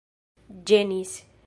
ĝenis